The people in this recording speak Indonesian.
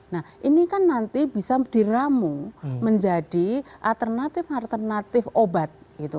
nah ini kan nanti bisa diramu menjadi alternatif alternatif obat